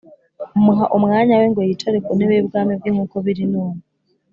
umuha umwana we ngo yicare ku ntebe y’ubwami bwe nk’uko biri none